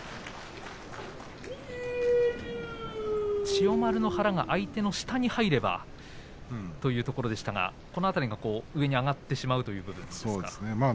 千代丸の腹が相手の下に入ればというところでしたがこの辺りが上に上がってしまうという部分ですか？